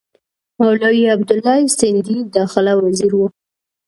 مولوي عبیدالله سندي داخله وزیر وو.